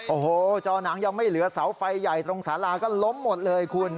โอ้โหจอหนังยังไม่เหลือเสาไฟใหญ่ตรงสาราก็ล้มหมดเลยคุณ